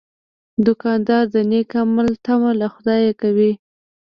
دوکاندار د نیک عمل تمه له خدایه کوي.